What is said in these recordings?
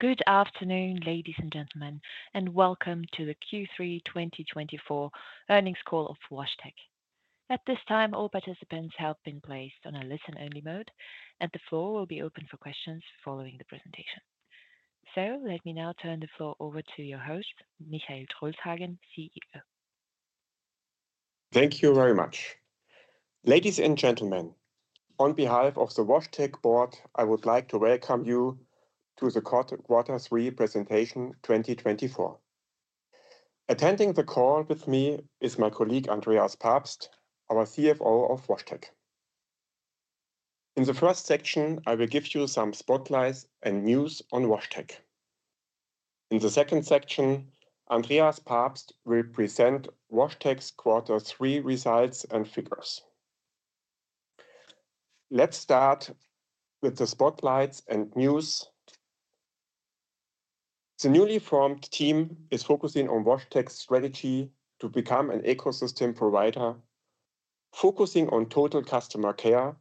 Good afternoon, ladies and gentlemen, and welcome to the Q3 2024 Earnings Call of WashTec. At this time, all participants have been placed on a listen-only mode, and the floor will be open for questions following the presentation. So let me now turn the floor over to your host, Michael Drolshagen, CEO. Thank you very much. Ladies and gentlemen, on behalf of the WashTec Board, I would like to welcome you to the Quarter 3 presentation 2024. Attending the call with me is my colleague, Andreas Pabst, our CFO of WashTec. In the first section, I will give you some spotlights and news on WashTec. In the second section, Andreas Pabst will present WashTec's Quarter 3 results and figures. Let's start with the spotlights and news. The newly formed team is focusing on WashTec's strategy to become an ecosystem provider, focusing on total customer care,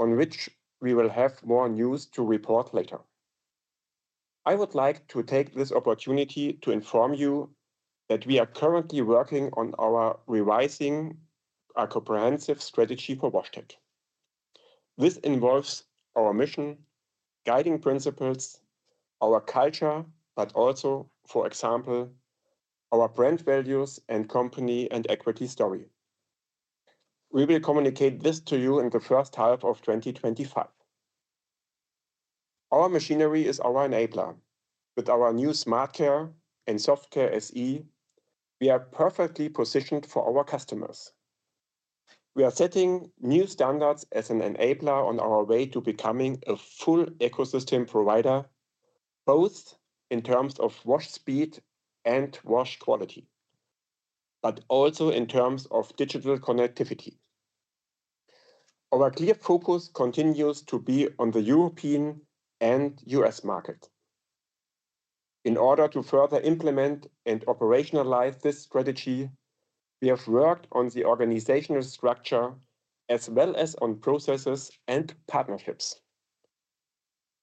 on which we will have more news to report later. I would like to take this opportunity to inform you that we are currently working on revising a comprehensive strategy for WashTec. This involves our mission, guiding principles, our culture, but also, for example, our brand values and company and equity story. We will communicate this to you in the first half of 2025. Our machinery is our enabler. With our new SmartCare and SoftCare SE, we are perfectly positioned for our customers. We are setting new standards as an enabler on our way to becoming a full ecosystem provider, both in terms of wash speed and wash quality, but also in terms of digital connectivity. Our clear focus continues to be on the European and US market. In order to further implement and operationalize this strategy, we have worked on the organizational structure as well as on processes and partnerships.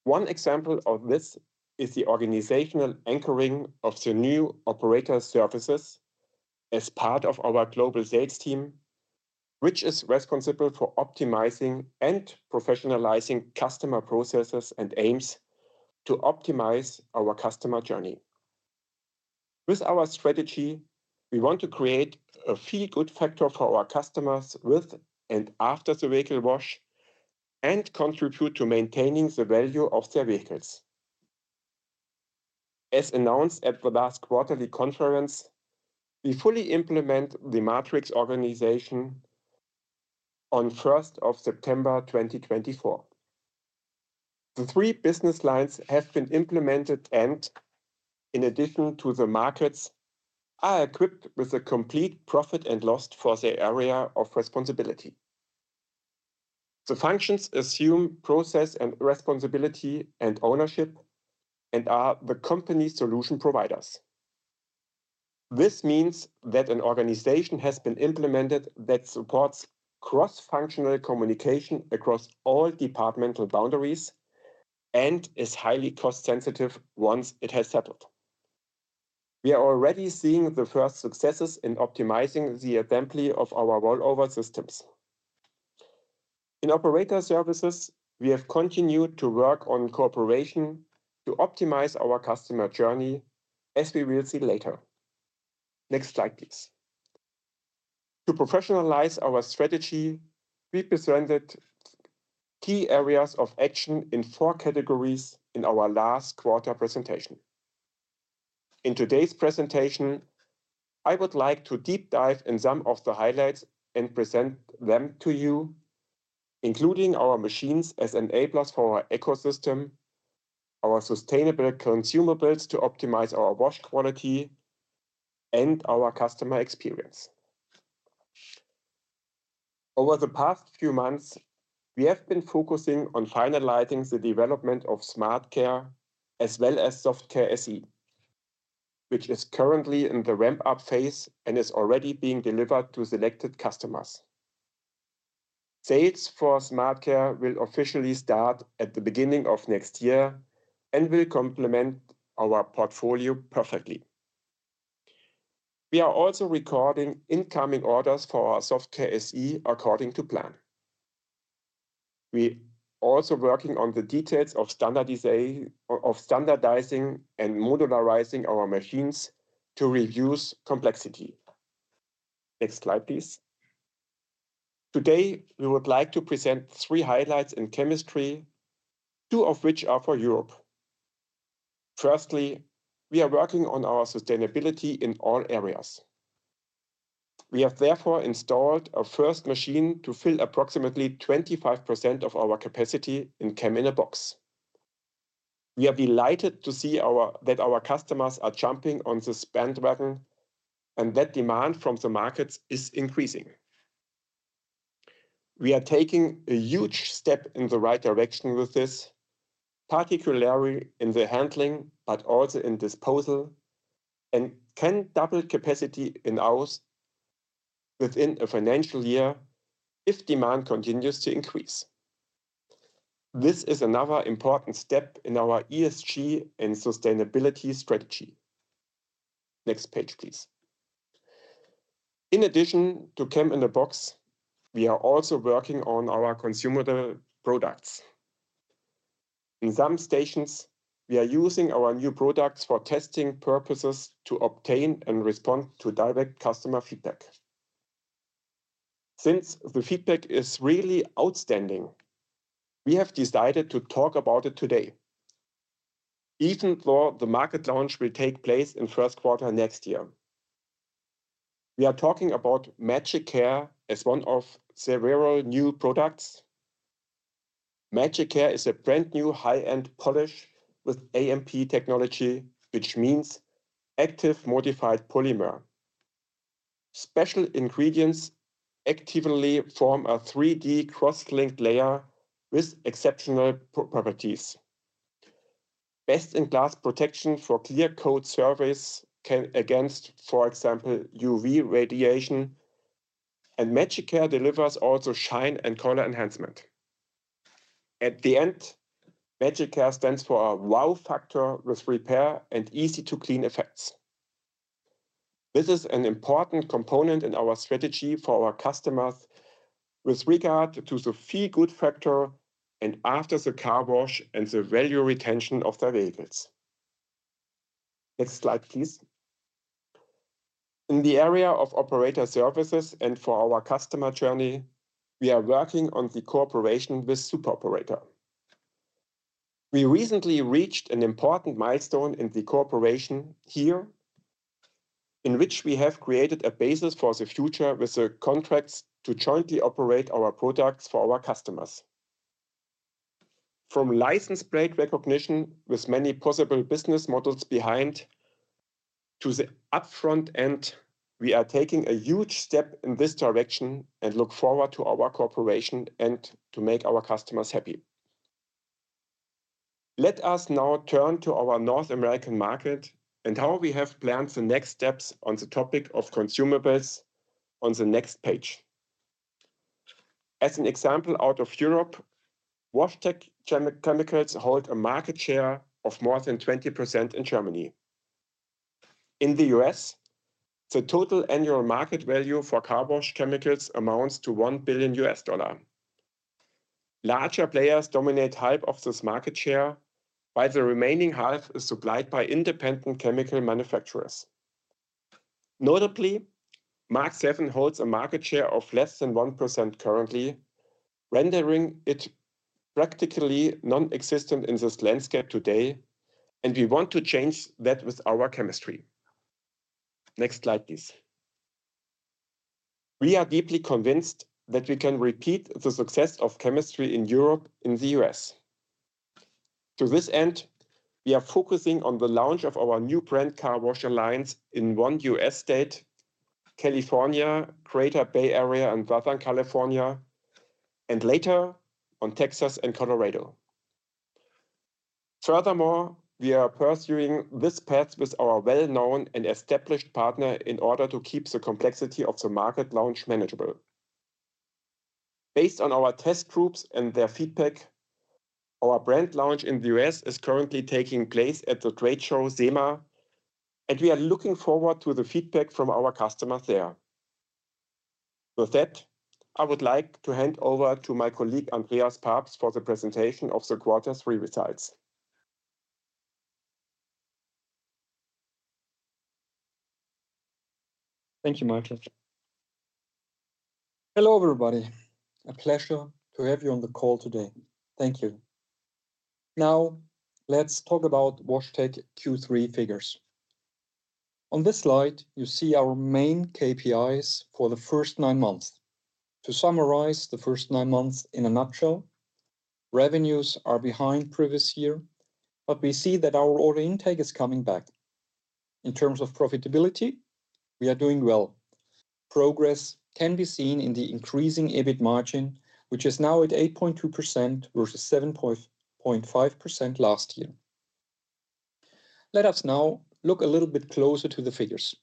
One example of this is the organizational anchoring of the new operator services as part of our global sales team, which is responsible f or optimizing and professionalizing customer processes and aims to optimize our customer journey. With our strategy, we want to create a feel-good factor for our customers with and after the vehicle wash and contribute to maintaining the value of their vehicles. As announced at the last quarterly conference, we fully implement the Matrix Organization on 1 September 2024. The three business lines have been implemented and, in addition to the markets, are equipped with a complete profit and loss for their area of responsibility. The functions assume process and responsibility and ownership and are the company solution providers. This means that an organization has been implemented that supports cross-functional communication across all departmental boundaries and is highly cost-sensitive once it has settled. We are already seeing the first successes in optimizing the assembly of our Rollover Systems. In operator services, we have continued to work on cooperation to optimize our customer journey, as we will see later. Next slide, please. To professionalize our strategy, we presented key areas of action in four categories in our last quarter presentation. In today's presentation, I would like to deep dive in some of the highlights and present them to you, including our machines as enablers for our ecosystem, our sustainable consumables to optimize our wash quality, and our customer experience. Over the past few months, we have been focusing on finalizing the development of SmartCare as well as SoftCare SE, which is currently in the ramp-up phase and is already being delivered to selected customers. Sales for SmartCare will officially start at the beginning of next year and will complement our portfolio perfectly. We are also recording incoming orders for our SoftCare SE according to plan. We are also working on the details of standardizing and modularizing our machines to reduce complexity. Next slide, please. Today, we would like to present three highlights in chemistry, two of which are for Europe. Firstly, we are working on our sustainability in all areas. We have therefore installed a first machine to fill approximately 25% of our capacity in Chemie-Box. We are delighted to see that our customers are jumping on this bandwagon and that demand from the markets is increasing. We are taking a huge step in the right direction with this, particularly in the handling, but also in disposal, and can double capacity in-house within a financial year if demand continues to increase. This is another important step in our ESG and sustainability strategy. Next page, please. In addition to Chemie-Box, we are also working on our consumable products. In some stations, we are using our new products for testing purposes to obtain and respond to direct customer feedback. Since the feedback is really outstanding, we have decided to talk about it today, even though the market launch will take place in the first quarter next year. We are talking about MagicCare as one of several new products. MagicCare is a brand new high-end polish with AMP technology, which means active modified polymer. Special ingredients actively form a 3D cross-linked layer with exceptional properties. Best-in-class protection for clear coat surfaces against, for example, UV radiation, and MagicCare delivers also shine and color enhancement. At the end, MagicCare stands for a wow factor with repair and easy-to-clean effects. This is an important component in our strategy for our customers with regard to the feel-good factor and after the car wash and the value retention of their vehicles. Next slide, please. In the area of operator services and for our customer journey, we are working on the cooperation with Superoperator. We recently reached an important milestone in the cooperation here, in which we have created a basis for the future with the contracts to jointly operate our products for our customers. From license plate recognition with many possible business models behind to the upfront end, we are taking a huge step in this direction and look forward to our cooperation and to make our customers happy. Let us now turn to our North American market and how we have planned the next steps on the topic of consumables on the next page. As an example out of Europe, WashTec Chemicals hold a market share of more than 20% in Germany. In the U.S., the total annual market value for car wash chemicals amounts to $1 billion. Larger players dominate half of this market share, while the remaining half is supplied by independent chemical manufacturers. Notably, Mark VII holds a market share of less than 1% currently, rendering it practically non-existent in this landscape today, and we want to change that with our chemistry. Next slide, please. We are deeply convinced that we can repeat the success of chemistry in Europe in the U.S. To this end, we are focusing on the launch of our new brand car wash lines in one U.S. state, California, Greater Bay Area, and Southern California, and later on Texas and Colorado. Furthermore, we are pursuing this path with our well-known and established partner in order to keep the complexity of the market launch manageable. Based on our test groups and their feedback, our brand launch in the US is currently taking place at the trade show SEMA, and we are looking forward to the feedback from our customers there. With that, I would like to hand over to my colleague, Andreas Pabst, for the presentation of the quarter 3 results. Thank you, Michael. Hello, everybody. A pleasure to have you on the call today. Thank you. Now, let's talk about WashTec Q3 figures. On this slide, you see our main KPIs for the first nine months. To summarize the first nine months in a nutshell, revenues are behind previous year, but we see that our order intake is coming back. In terms of profitability, we are doing well. Progress can be seen in the increasing EBIT margin, which is now at 8.2% versus 7.5% last year. Let us now look a little bit closer to the figures.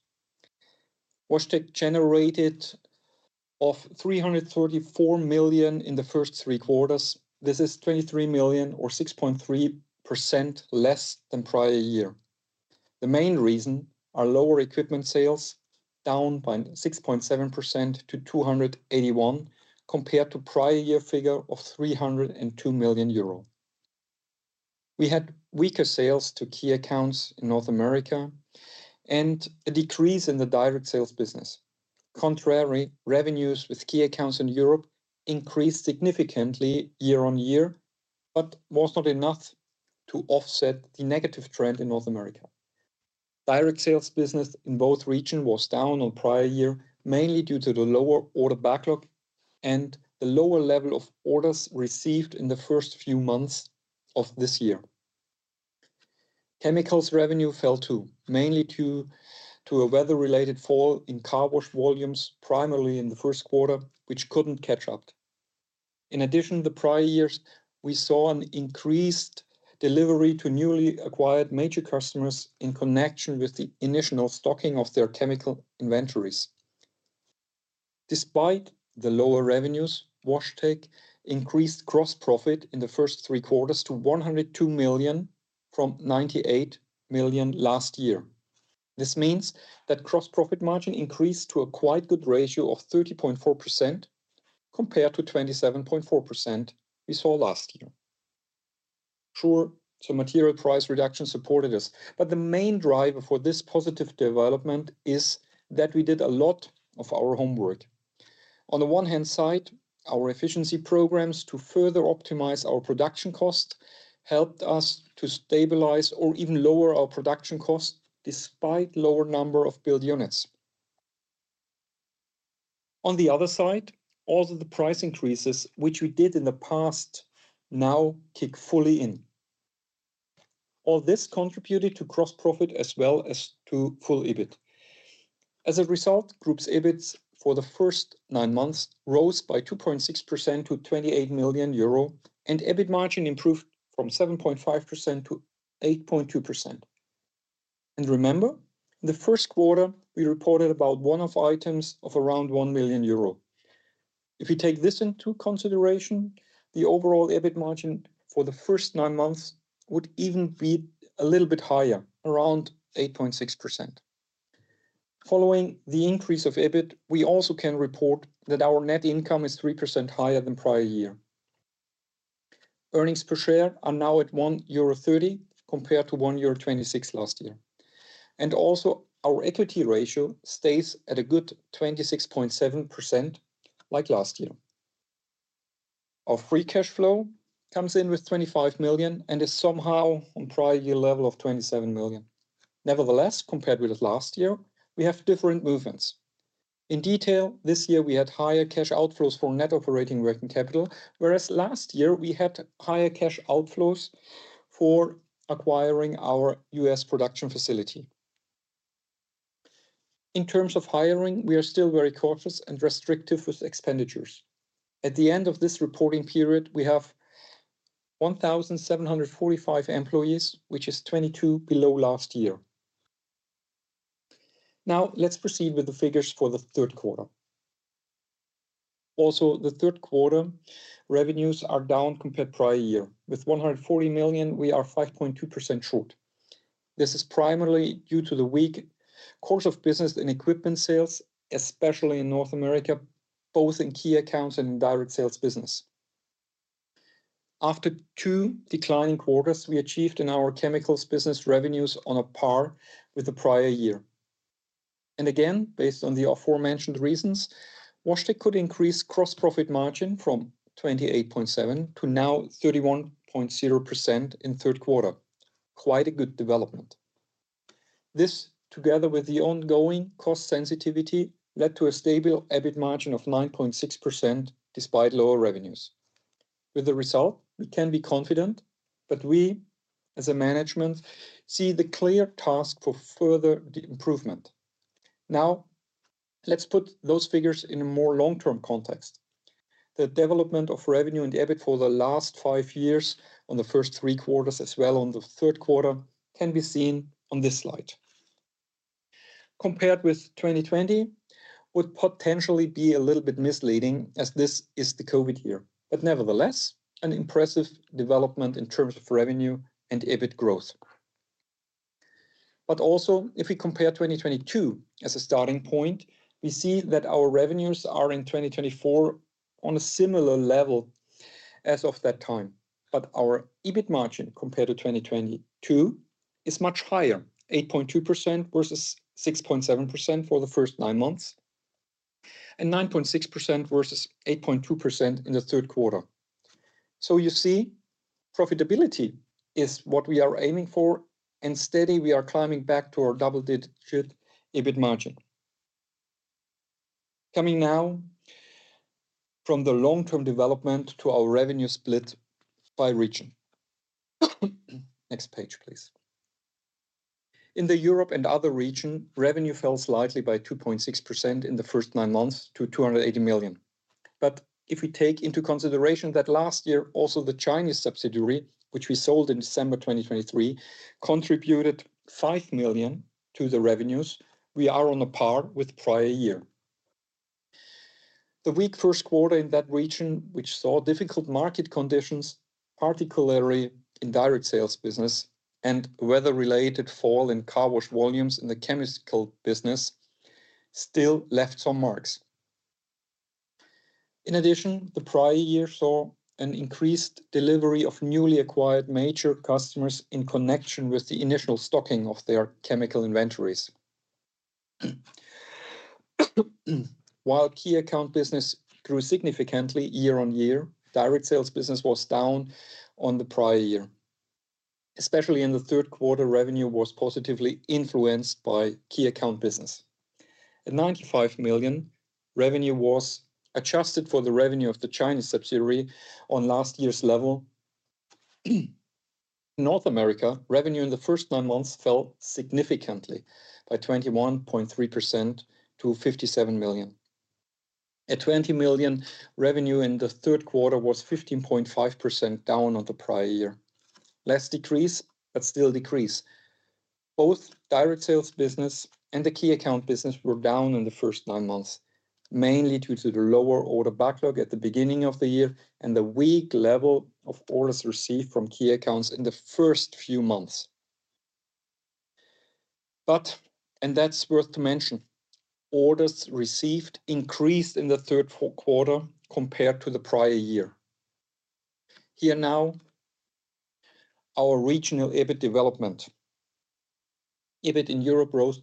WashTec generated 334 million in the first three quarters. This is 23 million, or 6.3% less than prior year. The main reason is lower equipment sales, down by 6.7% to 281, compared to prior year figure of 302 million euro. We had weaker sales to key accounts in North America and a decrease in the direct sales business. Contrary, revenues with key accounts in Europe increased significantly year on year, but was not enough to offset the negative trend in North America. Direct sales business in both regions was down on prior year, mainly due to the lower order backlog and the lower level of orders received in the first few months of this year. Chemicals revenue fell too, mainly due to a weather-related fall in car wash volumes, primarily in the first quarter, which couldn't catch up. In addition, the prior years, we saw an increased delivery to newly acquired major customers in connection with the initial stocking of their chemical inventories. Despite the lower revenues, WashTec increased gross profit in the first three quarters to 102 million from 98 million last year. This means that gross profit margin increased to a quite good ratio of 30.4% compared to 27.4% we saw last year. Sure, some material price reductions supported us, but the main driver for this positive development is that we did a lot of our homework. On the one hand side, our efficiency programs to further optimize our production costs helped us to stabilize or even lower our production costs despite a lower number of build units. On the other side, all of the price increases, which we did in the past, now kick fully in. All this contributed to gross profit as well as to full EBIT. As a result, the Group's EBIT for the first nine months rose by 2.6% to 28 million euro, and EBIT margin improved from 7.5% to 8.2%. Remember, in the first quarter, we reported one-off items of around 1 million euro. If we take this into consideration, the overall EBIT margin for the first nine months would even be a little bit higher, around 8.6%. Following the increase of EBIT, we also can report that our net income is 3% higher than prior year. Earnings per share are now at 1.30 euro compared to 1.26 euro last year. And also, our equity ratio stays at a good 26.7% like last year. Our free cash flow comes in with 25 million and is somehow on prior year level of 27 million. Nevertheless, compared with last year, we have different movements. In detail, this year we had higher cash outflows for net operating working capital, whereas last year we had higher cash outflows for acquiring our US production facility. In terms of hiring, we are still very cautious and restrictive with expenditures. At the end of this reporting period, we have 1,745 employees, which is 22 below last year. Now, let's proceed with the figures for the third quarter. Also, the third quarter revenues are down compared to prior year. With 140 million, we are 5.2% short. This is primarily due to the weak course of business in equipment sales, especially in North America, both in key accounts and in direct sales business. After two declining quarters, we achieved in our chemicals business revenues on a par with the prior year. And again, based on the aforementioned reasons, WashTec could increase gross profit margin from 28.7% to now 31.0% in third quarter. Quite a good development. This, together with the ongoing cost sensitivity, led to a stable EBIT margin of 9.6% despite lower revenues. With the result, we can be confident, but we as a management see the clear task for further improvement. Now, let's put those figures in a more long-term context. The development of revenue and EBIT for the last five years on the first three quarters as well on the third quarter can be seen on this slide. Compared with 2020, it would potentially be a little bit misleading as this is the COVID year, but nevertheless, an impressive development in terms of revenue and EBIT growth. But also, if we compare 2022 as a starting point, we see that our revenues are in 2024 on a similar level as of that time, but our EBIT margin compared to 2022 is much higher, 8.2% versus 6.7% for the first nine months, and 9.6% versus 8.2% in the third quarter. So you see, profitability is what we are aiming for, and steady we are climbing back to our double-digit EBIT margin. Coming now from the long-term development to our revenue split by region. Next page, please. In the Europe and other region, revenue fell slightly by 2.6% in the first nine months to 280 million. But if we take into consideration that last year also the Chinese subsidiary, which we sold in December 2023, contributed 5 million to the revenues, we are on a par with prior year. The weak first quarter in that region, which saw difficult market conditions, particularly in direct sales business and weather-related fall in car wash volumes in the chemical business, still left some marks. In addition, the prior year saw an increased delivery of newly acquired major customers in connection with the initial stocking of their chemical inventories. While key account business grew significantly year on year, direct sales business was down on the prior year. Especially in the third quarter, revenue was positively influenced by key account business. At 95 million, revenue was adjusted for the revenue of the Chinese subsidiary on last year's level. In North America, revenue in the first nine months fell significantly by 21.3% to 57 million. At 20 million, revenue in the third quarter was 15.5% down on the prior year. Less decrease, but still decrease. Both direct sales business and the key account business were down in the first nine months, mainly due to the lower order backlog at the beginning of the year and the weak level of orders received from key accounts in the first few months, but, and that's worth to mention, orders received increased in the third quarter compared to the prior year. Here now, our regional EBIT development. EBIT in Europe rose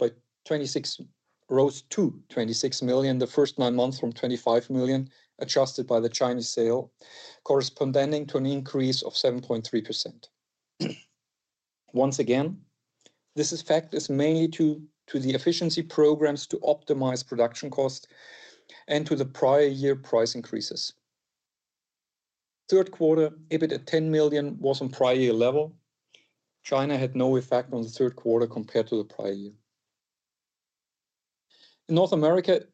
to 26 million the first nine months from 25 million, adjusted by the Chinese sale, corresponding to an increase of 7.3%. Once again, this effect is mainly due to the efficiency programs to optimize production costs and to the prior year price increases. Third quarter, EBIT at 10 million was on prior year level. China had no effect on the third quarter compared to the prior year. In North America,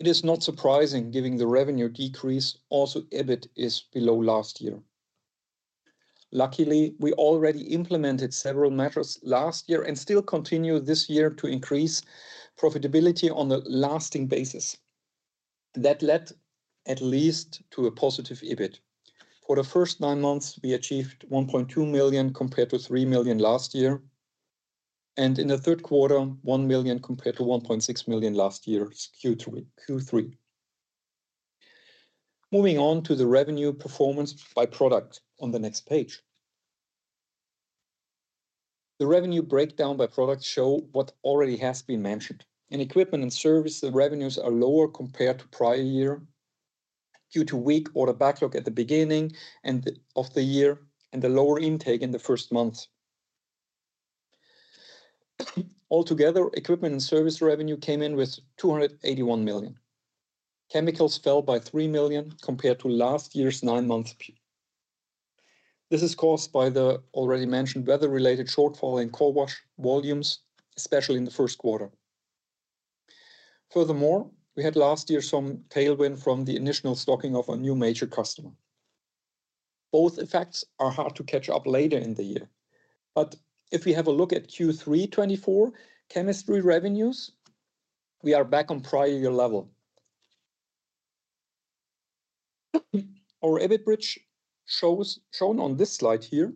it is not surprising given the revenue decrease, also EBIT is below last year. Luckily, we already implemented several measures last year and still continue this year to increase profitability on a lasting basis. That led at least to a positive EBIT. For the first nine months, we achieved 1.2 million compared to 3 million last year. In the third quarter, 1 million compared to 1.6 million last year, Q3. Moving on to the revenue performance by product on the next page. The revenue breakdown by product shows what already has been mentioned. In equipment and service, the revenues are lower compared to prior year due to weak order backlog at the beginning of the year and the lower intake in the first month. Altogether, equipment and service revenue came in with 281 million. Chemicals fell by 3 million compared to last year's nine months. This is caused by the already mentioned weather-related shortfall in car wash volumes, especially in the first quarter. Furthermore, we had last year some tailwind from the initial stocking of a new major customer. Both effects are hard to catch up later in the year. But if we have a look at Q324 chemistry revenues, we are back on prior year level. Our EBIT bridge shown on this slide here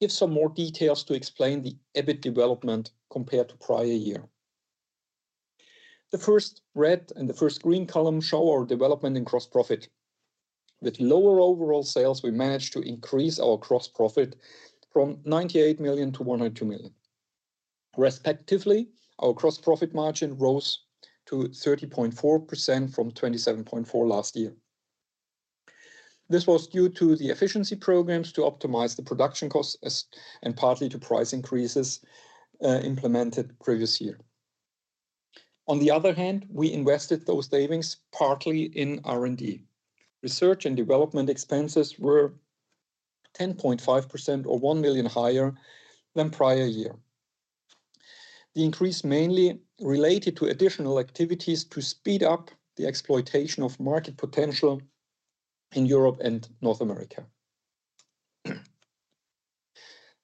gives some more details to explain the EBIT development compared to prior year. The first red and the first green column show our development in gross profit. With lower overall sales, we managed to increase our gross profit from 98 million to 102 million. Respectively, our gross profit margin rose to 30.4% from 27.4% last year. This was due to the efficiency programs to optimize the production costs and partly to price increases implemented previous year. On the other hand, we invested those savings partly in R&D. Research and development expenses were 10.5% or 1 million higher than prior year. The increase mainly related to additional activities to speed up the exploitation of market potential in Europe and North America.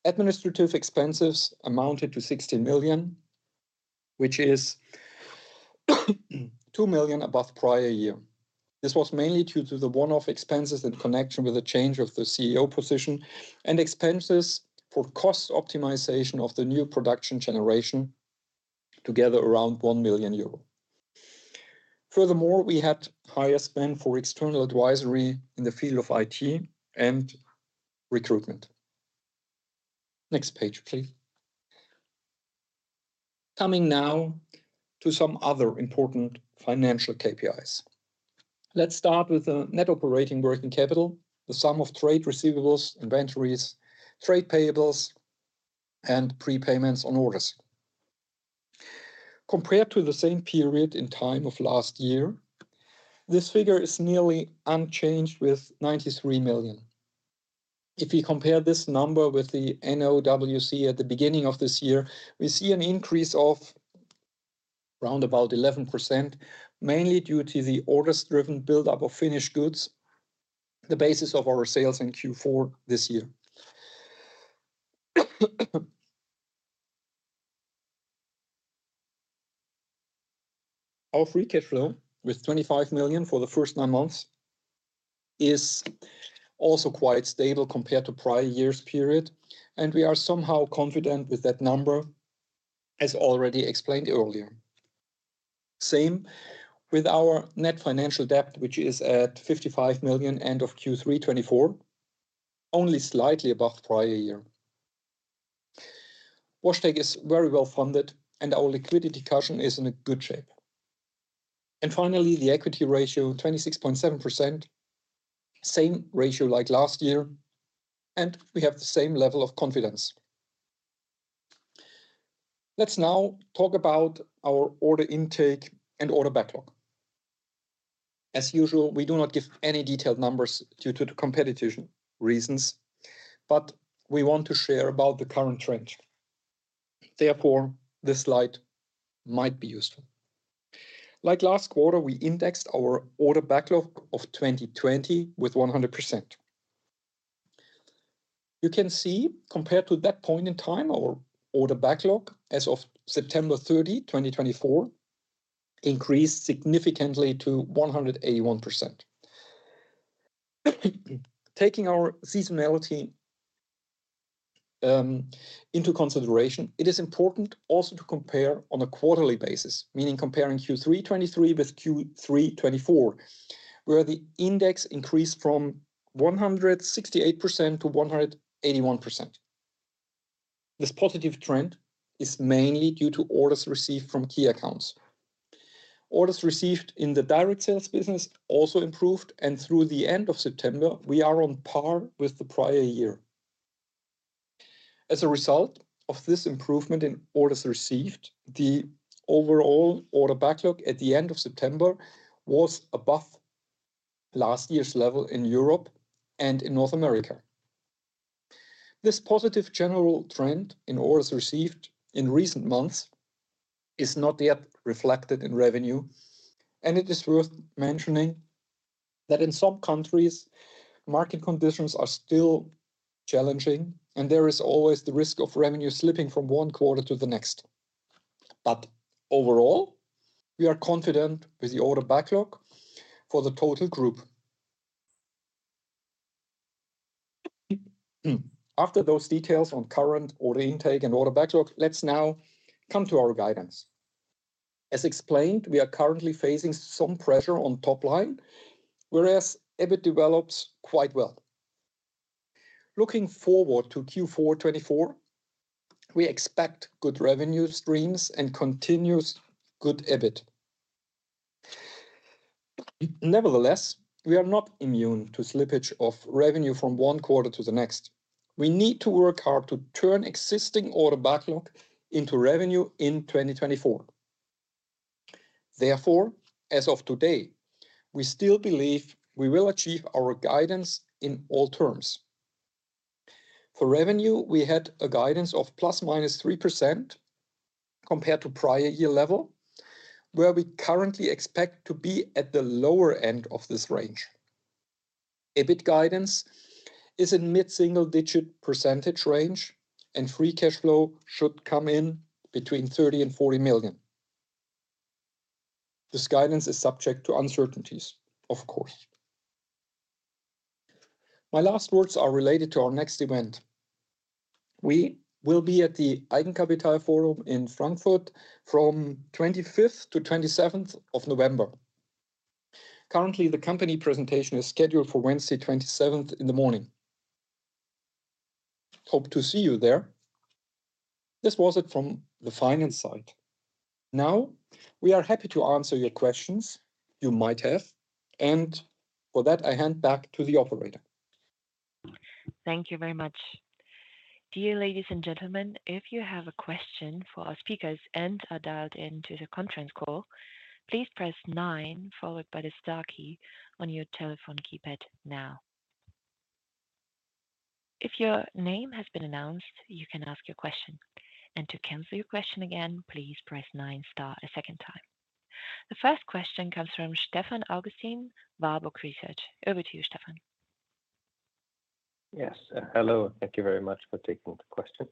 Administrative expenses amounted to 16 million, which is 2 million above prior year. This was mainly due to the one-off expenses in connection with the change of the CEO position and expenses for cost optimization of the new production generation together around 1 million euro. Furthermore, we had higher spend for external advisory in the field of IT and recruitment. Next page, please. Coming now to some other important financial KPIs. Let's start with the net operating working capital, the sum of trade receivables, inventories, trade payables, and prepayments on orders. Compared to the same period in time of last year, this figure is nearly unchanged with 93 million. If we compare this number with the NOWC at the beginning of this year, we see an increase of around about 11%, mainly due to the orders-driven build-up of finished goods, the basis of our sales in Q4 this year. Our free cash flow with 25 million for the first nine months is also quite stable compared to prior year's period, and we are somehow confident with that number, as already explained earlier. Same with our net financial debt, which is at 55 million end of Q324, only slightly above prior year. WashTec is very well funded, and our liquidity cushion is in good shape. Finally, the equity ratio, 26.7%, same ratio like last year, and we have the same level of confidence. Let's now talk about our order intake and order backlog. As usual, we do not give any detailed numbers due to competition reasons, but we want to share about the current trend. Therefore, this slide might be useful. Like last quarter, we indexed our order backlog of 2020 with 100%. You can see compared to that point in time, our order backlog as of September 30, 2024, increased significantly to 181%. Taking our seasonality into consideration, it is important also to compare on a quarterly basis, meaning comparing Q323 with Q324, where the index increased from 168% to 181%. This positive trend is mainly due to orders received from key accounts. Orders received in the direct sales business also improved, and through the end of September, we are on par with the prior year. As a result of this improvement in orders received, the overall order backlog at the end of September was above last year's level in Europe and in North America. This positive general trend in orders received in recent months is not yet reflected in revenue, and it is worth mentioning that in some countries, market conditions are still challenging, and there is always the risk of revenue slipping from one quarter to the next. But overall, we are confident with the order backlog for the total group. After those details on current order intake and order backlog, let's now come to our guidance. As explained, we are currently facing some pressure on top line, whereas EBIT develops quite well. Looking forward to Q424, we expect good revenue streams and continuous good EBIT. Nevertheless, we are not immune to slippage of revenue from one quarter to the next. We need to work hard to turn existing order backlog into revenue in 2024. Therefore, as of today, we still believe we will achieve our guidance in all terms. For revenue, we had a guidance of plus minus 3% compared to prior year level, where we currently expect to be at the lower end of this range. EBIT guidance is a mid-single-digit percentage range, and free cash flow should come in between 30 million and 40 million. This guidance is subject to uncertainties, of course. My last words are related to our next event. We will be at the Eigenkapitalforum in Frankfurt from 25th to 27th of November. Currently, the company presentation is scheduled for Wednesday, 27th in the morning. Hope to see you there. This was it from the finance side. Now, we are happy to answer your questions you might have, and for that, I hand back to the operator. Thank you very much. Dear ladies and gentlemen, if you have a question for our speakers and are dialed into the conference call, please press nine followed by the star key on your telephone keypad now. If your name has been announced, you can ask your question. To cancel your question again, please press nine star a second time. The first question comes from Stefan Augustin, Warburg Research. Over to you, Stefan. Yes, hello. Thank you very much for taking the question.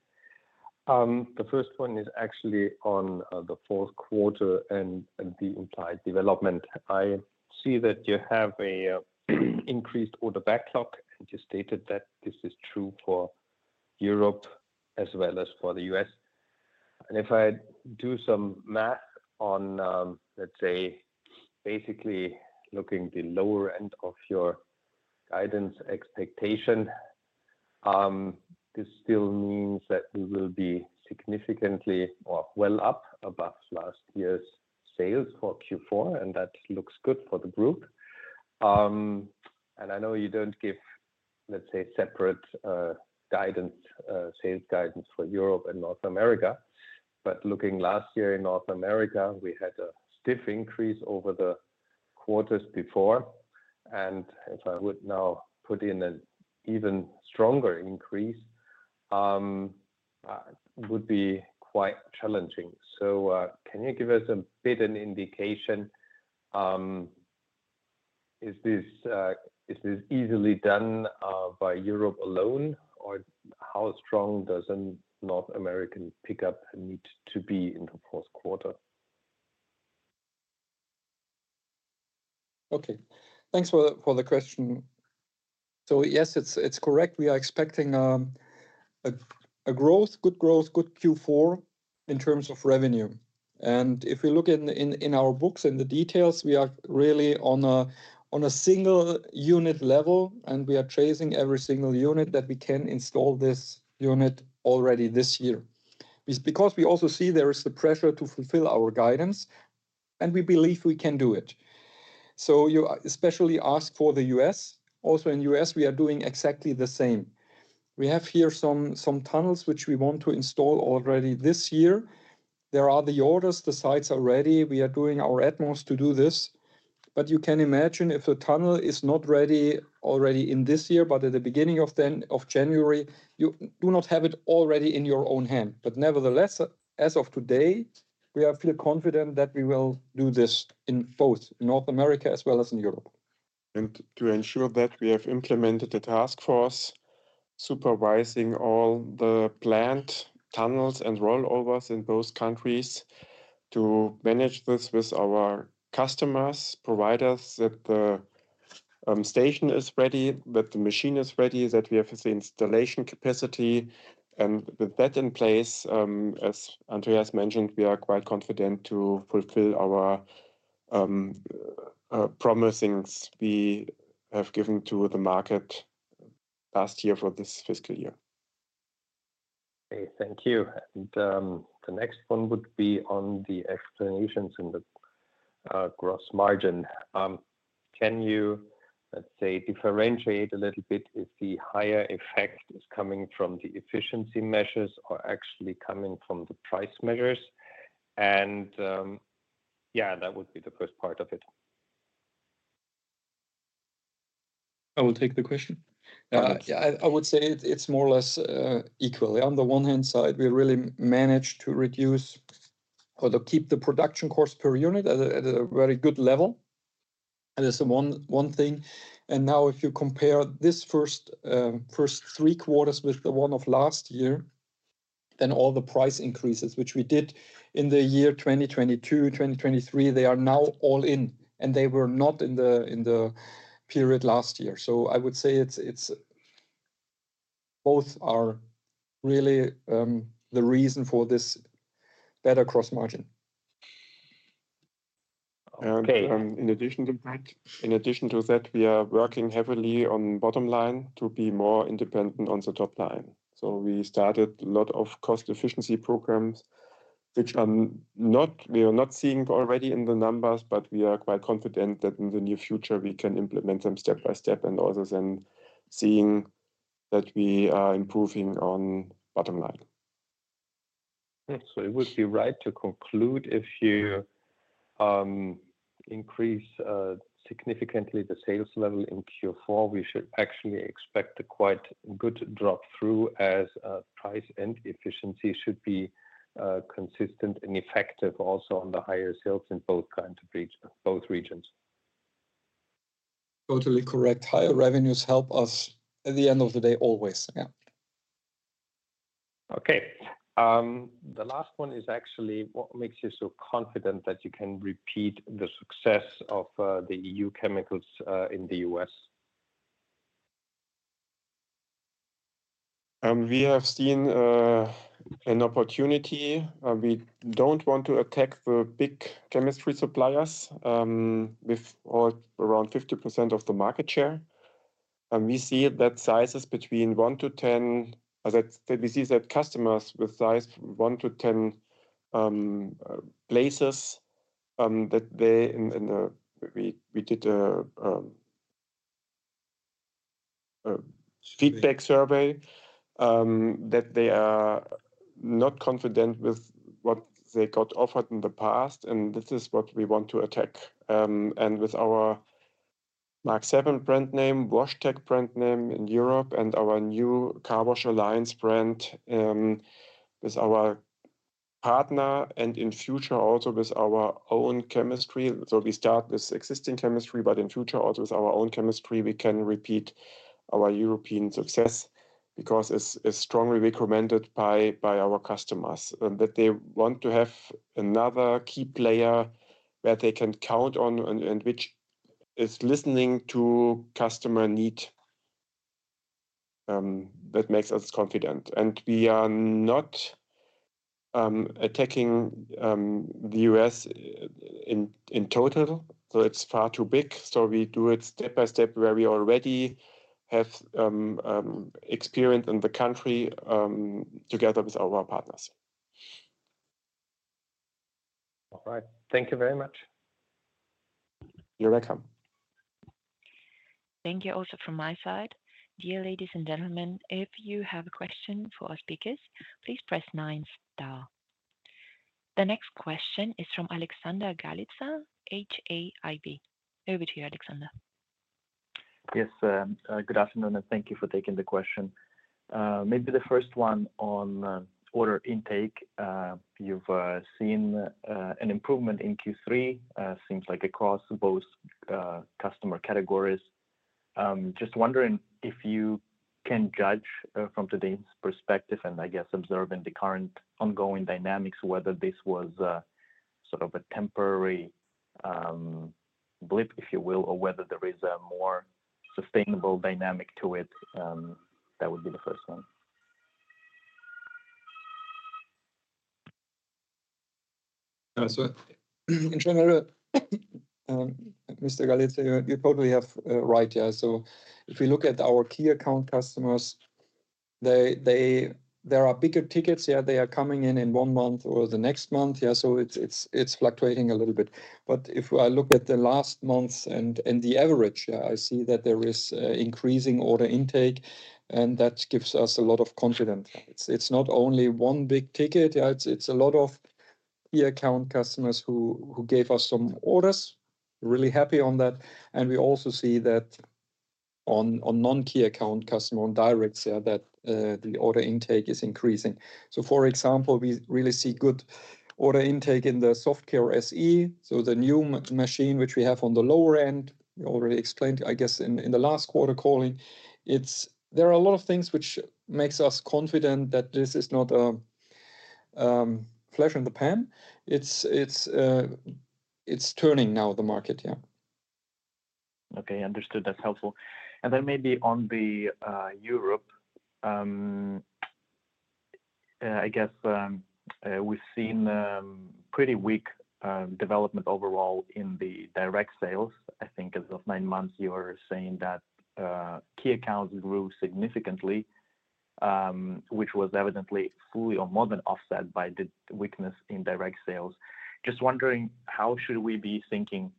The first one is actually on the fourth quarter and the implied development. I see that you have an increased order backlog, and you stated that this is true for Europe as well as for the U.S. And if I do some math on, let's say, basically looking at the lower end of your guidance expectation, this still means that we will be significantly well up above last year's sales for Q4, and that looks good for the group. And I know you don't give, let's say, separate guidance, sales guidance for Europe and North America, but looking last year in North America, we had a steep increase over the quarters before. And if I would now put in an even stronger increase, it would be quite challenging. So can you give us a bit of an indication? Is this easily done by Europe alone, or how strong does a North American pickup need to be in the fourth quarter? Okay, thanks for the question. So yes, it's correct. We are expecting a growth, good growth, good Q4 in terms of revenue. And if we look in our books and the details, we are really on a single unit level, and we are chasing every single unit that we can install this unit already this year. Because we also see there is the pressure to fulfill our guidance, and we believe we can do it. So you especially ask for the U.S. Also in the U.S., we are doing exactly the same. We have here some tunnels which we want to install already this year. There are the orders, the sites are ready. We are doing our utmost to do this. But you can imagine if a tunnel is not ready already in this year, but at the beginning of January, you do not have it already in your own hand. But nevertheless, as of today, we are feeling confident that we will do this in both North America as well as in Europe. And to ensure that we have implemented a task force supervising all the planned tunnels and rollovers in both countries to manage this with our customers, provide that the station is ready, that the machine is ready, that we have the installation capacity. And with that in place, as Andreas mentioned, we are quite confident to fulfill our promises we have given to the market last year for this fiscal year. Okay, thank you. And the next one would be on the explanations in the gross margin. Can you, let's say, differentiate a little bit if the higher effect is coming from the efficiency measures or actually coming from the price measures? And yeah, that would be the first part of it. I will take the question. Yeah, I would say it's more or less equal. On the one hand side, we really managed to reduce or keep the production cost per unit at a very good level. That's one thing. And now if you compare this first three quarters with the one of last year, then all the price increases, which we did in the year 2022, 2023, they are now all in, and they were not in the period last year. So I would say it's both are really the reason for this better gross margin. And in addition to that, we are working heavily on bottom line to be more independent on the top line. So we started a lot of cost efficiency programs, which we are not seeing already in the numbers, but we are quite confident that in the near future we can implement them step by step and also then seeing that we are improving on bottom line. So it would be right to conclude if you increase significantly the sales level in Q4, we should actually expect a quite good drop through as price and efficiency should be consistent and effective also on the higher sales in both regions. Totally correct. Higher revenues help us at the end of the day always. Yeah. Okay. The last one is actually what makes you so confident that you can repeat the success of the EU chemicals in the US? We have seen an opportunity. We don't want to attack the big chemistry suppliers with around 50% of the market share. We see that sizes between 1 to 10. We see that customers with size 1 to 10 places, that they, in the feedback survey we did, are not confident with what they got offered in the past, and this is what we want to attack. And with our Mark 7 brand name, WashTec brand name in Europe, and our new Carwash Alliance brand with our partner and in future also with our own chemistry. So we start with existing chemistry, but in future also with our own chemistry, we can repeat our European success because it's strongly recommended by our customers that they want to have another key player that they can count on and which is listening to customer need. That makes us confident. And we are not attacking the U.S. in total, so it's far too big. So we do it step by step where we already have experience in the country together with our partners. All right. Thank you very much. You're welcome. Thank you also from my side. Dear ladies and gentlemen, if you have a question for our speakers, please press nine star. The next question is from Alexander Galitza, HAIB. Over to you, Alexander. Yes, good afternoon and thank you for taking the question. Maybe the first one on order intake, you've seen an improvement in Q3, seems like across both customer categories. Just wondering if you can judge from today's perspective and I guess observing the current ongoing dynamics, whether this was sort of a temporary blip, if you will, or whether there is a more sustainable dynamic to it, that would be the first one. So in general, Mr. Galitza, you totally have right. So if we look at our key account customers, there are bigger tickets. Yeah, they are coming in in one month or the next month. Yeah, so it's fluctuating a little bit. But if I look at the last months and the average, I see that there is increasing order intake, and that gives us a lot of confidence. It's not only one big ticket. It's a lot of key account customers who gave us some orders, really happy on that. And we also see that on non-key account customers, on directs, that the order intake is increasing. So for example, we really see good order intake in the SoftCare SE. So, the new machine which we have on the lower end, we already explained, I guess, in the last quarter calling. There are a lot of things which make us confident that this is not a flash in the pan. It's turning now the market, yeah. Okay, understood. That's helpful, and then maybe on Europe. I guess we've seen pretty weak development overall in the direct sales. I think as of nine months, you're saying that key accounts grew significantly, which was evidently fully or more than offset by the weakness in direct sales. Just wondering, how should we be thinking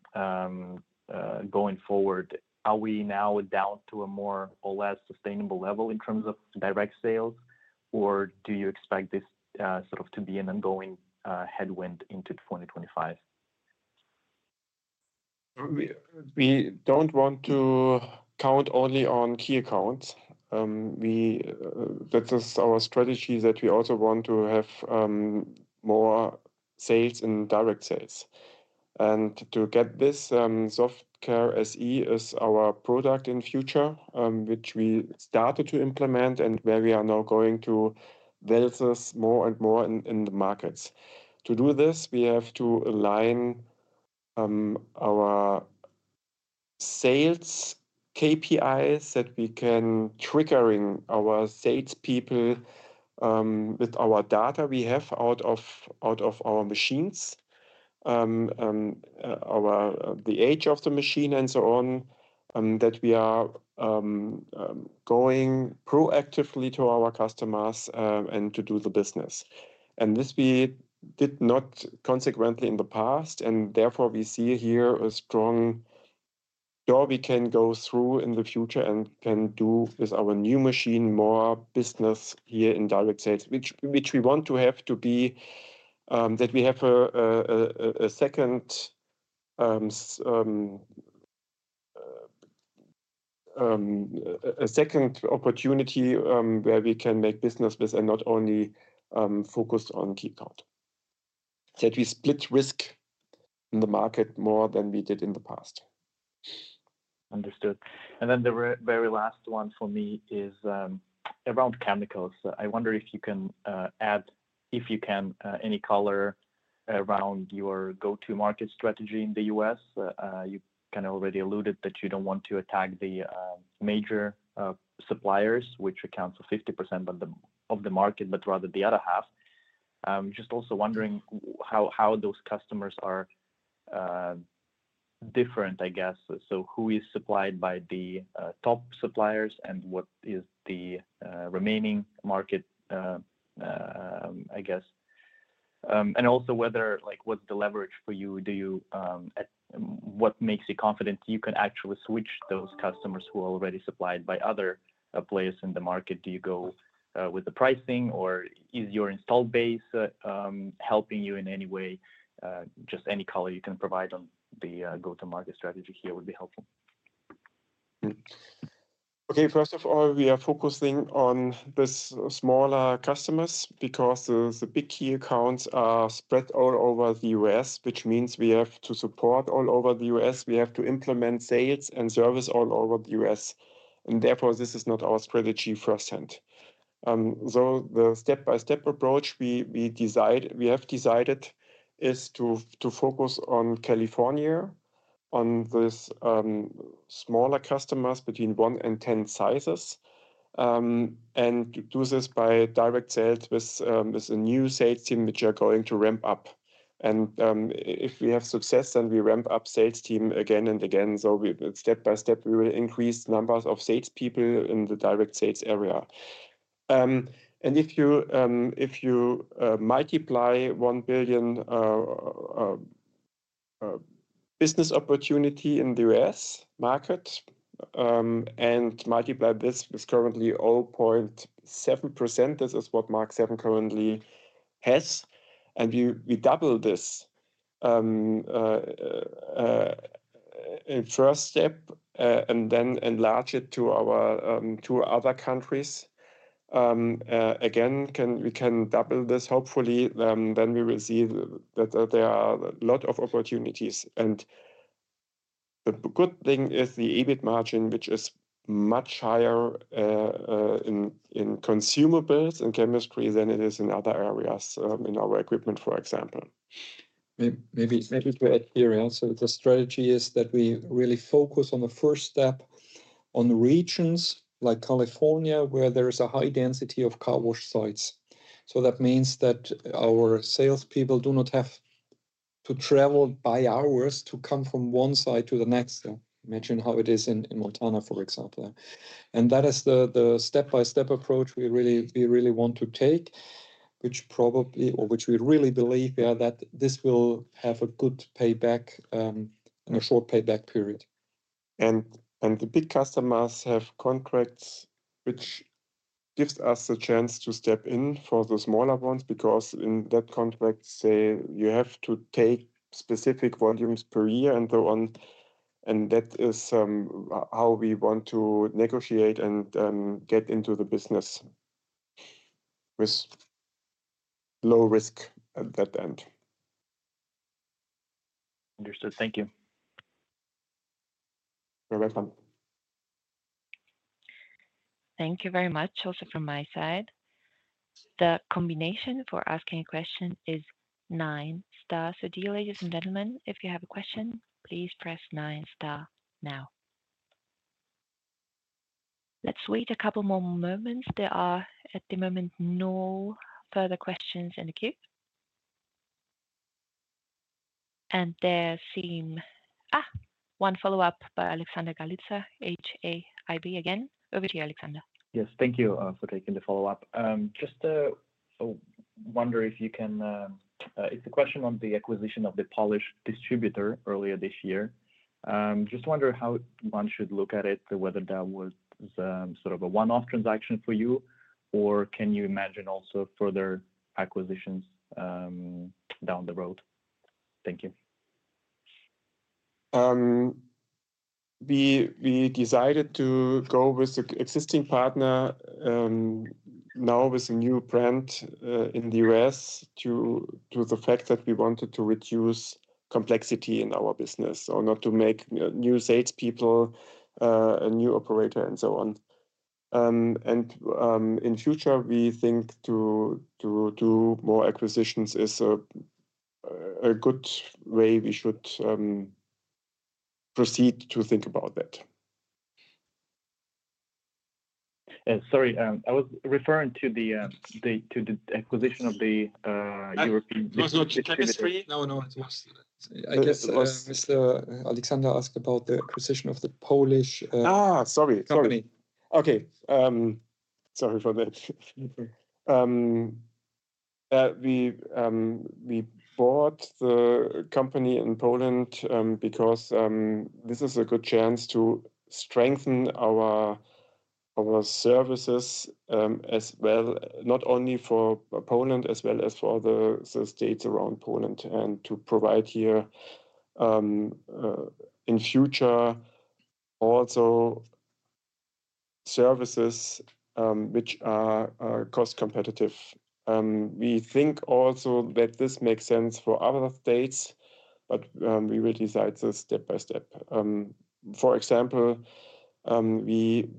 going forward? Are we now down to a more or less sustainable level in terms of direct sales, or do you expect this sort of to be an ongoing headwind into 2025? We don't want to count only on key accounts. That's our strategy that we also want to have more sales in direct sales. And to get this, SoftCare SE is our product in future, which we started to implement and where we are now going to delve more and more in the markets. To do this, we have to align our sales KPIs that we can trigger our salespeople with our data we have out of our machines, the age of the machine and so on, that we are going proactively to our customers and to do the business. And this we did not consequently in the past, and therefore we see here a strong door we can go through in the future and can do with our new machine more business here in direct sales, which we want to have to be that we have a second. Opportunity where we can make business with and not only focused on key account. That we split risk in the market more than we did in the past. Understood, and then the very last one for me is around chemicals. I wonder if you can add, if you can, any color around your go-to-market strategy in the U.S. You kind of already alluded that you don't want to attack the major suppliers, which accounts for 50% of the market, but rather the other half. Just also wondering how those customers are different, I guess. So who is supplied by the top suppliers and what is the remaining market, I guess? And also whether what's the leverage for you? What makes you confident you can actually switch those customers who are already supplied by other players in the market? Do you go with the pricing or is your installed base helping you in any way? Just any color you can provide on the go-to-market strategy here would be helpful. Okay, first of all, we are focusing on the smaller customers because the big key accounts are spread all over the U.S., which means we have to support all over the U.S. We have to implement sales and service all over the U.S. And therefore, this is not our strategy firsthand. So the step-by-step approach we have decided is to focus on California, on these smaller customers between one and 10 sizes. And to do this by direct sales with a new sales team which are going to ramp up. And if we have success, then we ramp up sales team again and again. So step by step, we will increase numbers of salespeople in the direct sales area. And if you multiply $1 billion business opportunity in the U.S. market and multiply this with currently 0.7%, this is what Mark 7 currently has. And we double this in first step and then enlarge it to our two other countries. Again, we can double this. Hopefully, then we will see that there are a lot of opportunities. And the good thing is the EBIT margin, which is much higher in consumables and chemistry than it is in other areas in our equipment, for example. Maybe to add here, so the strategy is that we really focus on the first step on regions like California where there is a high density of car wash sites. So that means that our salespeople do not have to travel by hours to come from one site to the next. Imagine how it is in Montana, for example. And that is the step-by-step approach we really want to take, which probably, or which we really believe that this will have a good payback in a short payback period. And the big customers have contracts which give us a chance to step in for the smaller ones because in that contract, say, you have to take specific volumes per year and so on. And that is how we want to negotiate and get into the business with low risk at that end. Understood. Thank you. You're welcome. Thank you very much also from my side. The combination for asking a question is nine star. So dear ladies and gentlemen, if you have a question, please press nine star now. Let's wait a couple more moments. There are at the moment no further questions in the queue. And there seems one follow-up by Alexander Galitza, HAIB again. Over to you, Alexander. Yes, thank you for taking the follow-up. Just wonder if you can, it's a question on the acquisition of the Polish distributor earlier this year. Just wonder how one should look at it, whether that was sort of a one-off transaction for you, or can you imagine also further acquisitions down the road? Thank you. We decided to go with the existing partner now with a new brand in the US due to the fact that we wanted to reduce complexity in our business or not to make new salespeople, a new operator, and so on, and in future, we think to do more acquisitions is a good way we should proceed to think about that. Sorry, I was referring to the acquisition of the European. It was not chemistry. No, no, it was. I guess Mr. Alexander asked about the acquisition of the Polish. Sorry, sorry. Okay, sorry for that. We bought the company in Poland because this is a good chance to strengthen our services as well, not only for Poland as well as for the states around Poland and to provide here in future also services which are cost competitive. We think also that this makes sense for other states, but we will decide this step by step. For example, we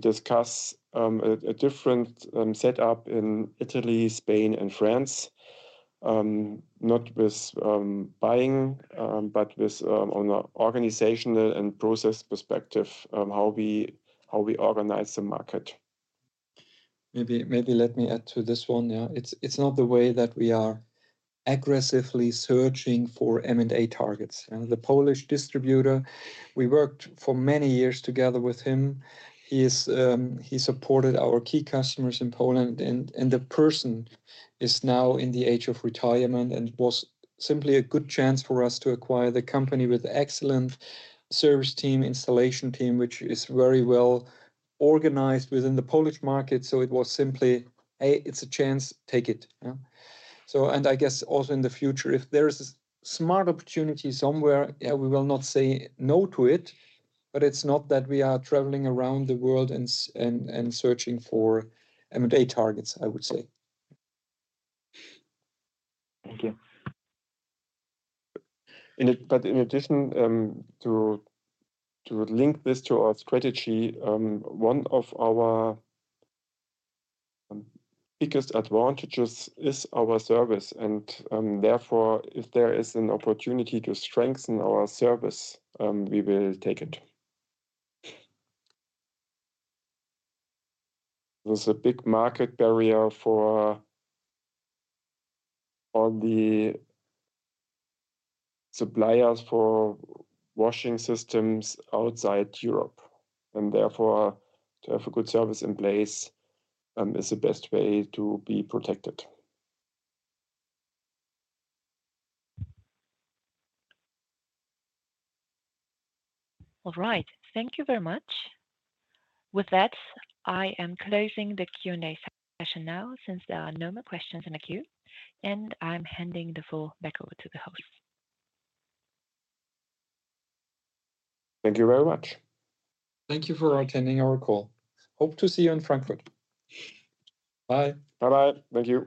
discuss a different setup in Italy, Spain, and France, not with buying, but with an organizational and process perspective, how we organize the market. Maybe let me add to this one. It's not the way that we are aggressively searching for M&A targets. The Polish distributor, we worked for many years together with him. He supported our key customers in Poland, and the person is now in the age of retirement and was simply a good chance for us to acquire the company with an excellent service team, installation team, which is very well organized within the Polish market. So it was simply, hey, it's a chance, take it. And I guess also in the future, if there is a smart opportunity somewhere, we will not say no to it, but it's not that we are traveling around the world and searching for M&A targets, I would say. Thank you. But in addition to link this to our strategy, one of our biggest advantages is our service. And therefore, if there is an opportunity to strengthen our service, we will take it. There's a big market barrier for all the suppliers for washing systems outside Europe. And therefore, to have a good service in place is the best way to be protected. All right. Thank you very much. With that, I am closing the Q&A session now since there are no more questions in the queue. And I'm handing the floor back over to the host. Thank you very much. Thank you for attending our call. Hope to see you in Frankfurt. Bye. Bye-bye. Thank you.